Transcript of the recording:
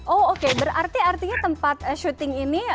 oh oke berarti artinya tempat syuting ini